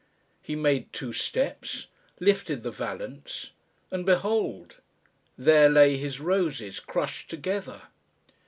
He made two steps, lifted the valence, and behold! there lay his roses crushed together!